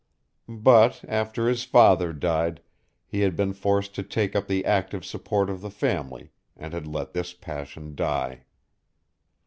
But, after his father died, he had been forced to take up the active support of the family, and had let this passion die.